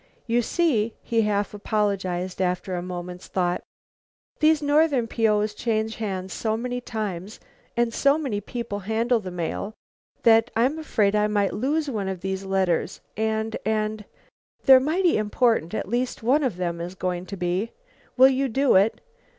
"You see," he half apologized, after a moment's thought, "these northern P. O.'s change hands so much, so many people handle the mail, that I I'm afraid I might lose one of these letters, and and they're mighty important; at least, one of them is going to be. Will you do it?